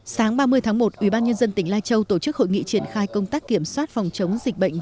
sáng ba mươi tháng một ubnd tỉnh lai châu tổ chức hội nghị triển khai công tác kiểm soát phòng chống dịch bệnh